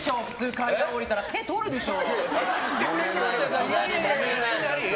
階段降りたら、手取るでしょ！